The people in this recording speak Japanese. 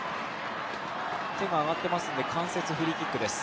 手が挙がってますので、間接フリーキックです。